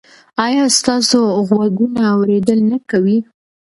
ایا ستاسو غوږونه اوریدل نه کوي؟